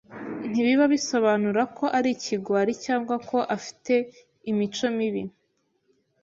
ntibiba bisobanura ko ari ikigwari cyangwa ko afite imico mibi